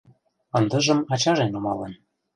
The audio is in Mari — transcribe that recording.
Ындыжым ачаже нумалын.